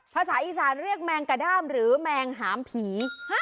ภาษาอีสานเรียกแมงกระด้ามหรือแมงหามผี